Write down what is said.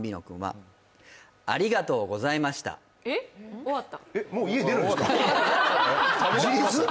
終わった？